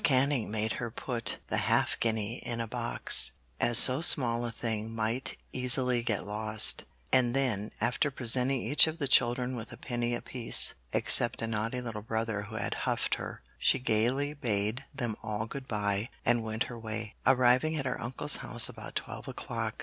Canning made her put the half guinea in a box, as so small a thing might easily get lost, and then, after presenting each of the children with a penny a piece, except a naughty little brother who had 'huffed her,' she gaily bade them all good bye and went her way, arriving at her uncle's house about twelve o'clock.